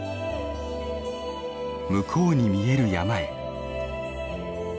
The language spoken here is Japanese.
向こうに見える山へ。